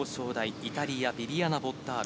イタリア、ビビアナ・ボッターロ。